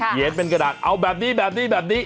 เหยียดเป็นกระดาษเอาแบบนี้